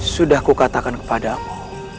sudah kukatakan kepadamu